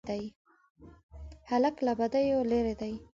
هلک له بدیو لیرې دی.